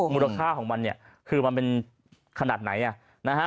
มูลค่าของมันคือมันเป็นขนาดไหน